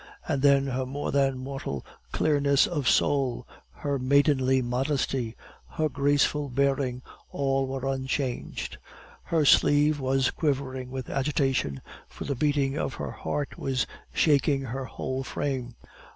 And then her more than mortal clearness of soul, her maidenly modesty, her graceful bearing, all were unchanged. Her sleeve was quivering with agitation, for the beating of her heart was shaking her whole frame.